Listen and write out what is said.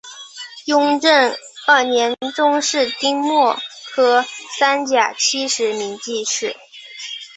雍正二年中式丁未科三甲七十名进士。